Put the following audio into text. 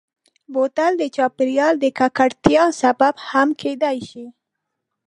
بوتل د چاپېریال د ککړتیا سبب هم کېدای شي.